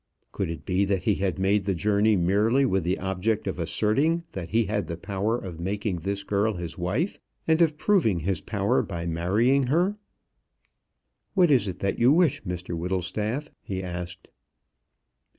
Could it be that he had made the journey merely with the object of asserting that he had the power of making this girl his wife, and of proving his power by marrying her. "What is it that you wish, Mr Whittlestaff?" he asked.